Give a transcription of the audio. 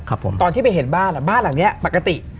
ครับผมตอนที่ไปเห็นบ้านบ้านหลังนี้ปกติ